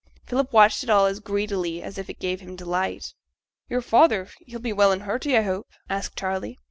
Philip watched it all as greedily as if it gave him delight. 'Yo'r father, he'll be well and hearty, I hope?' asked Charley.